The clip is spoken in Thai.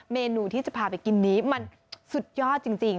เมนูที่จะพาไปกินนี้มันสุดยอดจริง